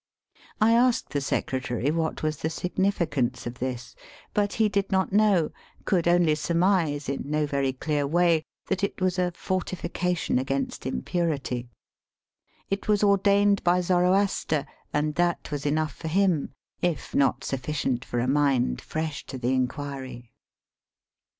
I asked the secretary what was the signi ficance of this ; but he did not know, could only Digitized by VjOOQIC BUBYING AND GIVING IN MABBIAGE, 197 eurmise, in no very clear way, that it was " a fortification against impurity." It was ordained by Zoroaster, and that was enough for him, if not sufficient for a mind fresh to the inquiry.